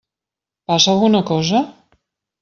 Passa alguna cosa?